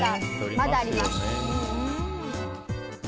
まだあります。